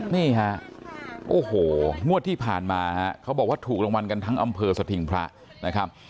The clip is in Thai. นี่ฮะโอ้โหงวดที่ผ่านมาฮะเขาบอกว่าถูกรางวัลกันทั้งอำเภอสถิงพระนะครับ